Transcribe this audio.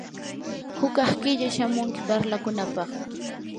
hukaq killa shamunki parlakunapaq.